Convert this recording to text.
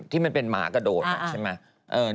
ที่มันเป็นหมากระโดดใช่ไหม